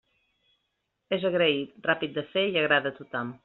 És agraït, ràpid de fer i agrada a tothom.